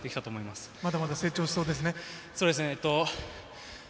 まだまだ成長しそうですね。